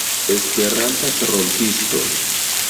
Esperanta trompisto!